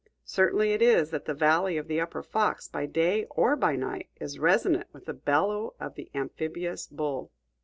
Certain it is that the valley of the upper Fox, by day or by night, is resonant with the bellow of the amphibious bull.